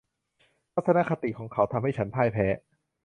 ทัศนคติของเขาทำให้ฉันพ่ายแพ้